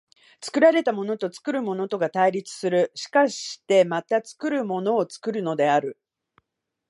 作られたものと作るものとが対立する、しかしてまた作るものを作るのである。